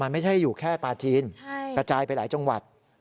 มันไม่ใช่อยู่แค่ปลาจีนกระจายไปหลายจังหวัด